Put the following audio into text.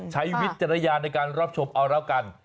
ใช้วิทยาลัยาณในการรับชมเอาแล้วกัน